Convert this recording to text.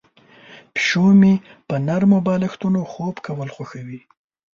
پیشو مې په نرمو بالښتونو خوب کول خوښوي.